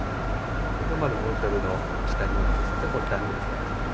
これがまずモルタルの下地なんですけどこれ断熱材なんですけど。